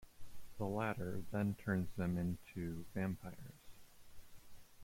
The latter then turns them into vampires.